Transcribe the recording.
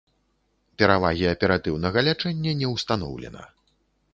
Перавагі аператыўнага лячэння не ўстаноўлена.